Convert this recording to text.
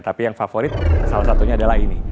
tapi yang favorit salah satunya adalah ini